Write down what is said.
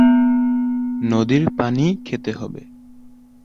নদীর পানিই খেতে হবে।